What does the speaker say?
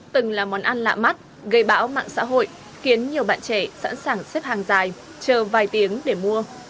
từng là món ăn lạ mắt gây bão mạng xã hội khiến nhiều bạn trẻ sẵn sàng xếp hàng dài chờ vài tiếng để mua